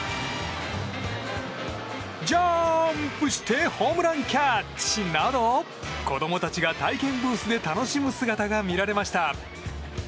ジャンプしてホームランキャッチ！など子供たちが体験ブースで楽しむ姿が見られました。